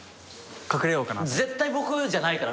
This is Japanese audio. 絶対僕じゃないから。